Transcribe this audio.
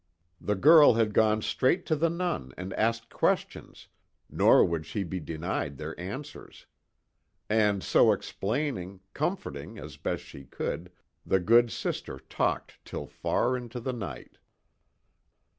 The girl had gone straight to the Nun and asked questions, nor would she be denied their answers. And so explaining, comforting, as best she could, the good Sister talked till far into the night.